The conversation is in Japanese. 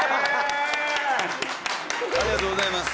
ありがとうございます。